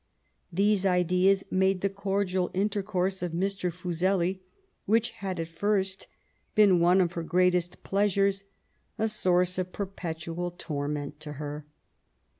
These ideas made the cordial intercourse of Mr. Fuseli, which had at first been one of her greatest pleasures, a source of perpetual torment to her.